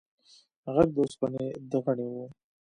غږ د اوسپنې د غنړې و.